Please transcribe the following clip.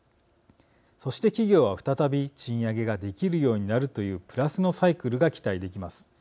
そして、企業は再び賃上げができるようになるというプラスのサイクルが期待できます。